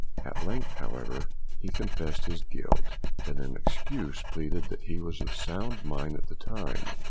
At length, however, he confessed his guilt, but in excuse pleaded that he was of unsound mind at the time.